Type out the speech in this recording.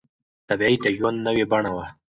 تبعيد د ژوند نوې بڼه وه.